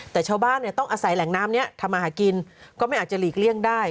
แต่ชาวบ้านต้องอาศัยแหล่งน้ำนี้ทำมาหากินก็ไม่อาจจะหลีกเลี่ยงได้